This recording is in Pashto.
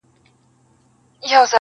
زه چي وګورمه تاته په لرزه سم,